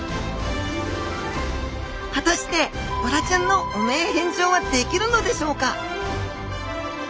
果たしてボラちゃんの汚名返上はできるのでしょうか？